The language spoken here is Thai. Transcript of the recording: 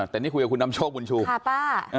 แต่นี่คุยกับคุณนำโชคบุญชูค่ะป้า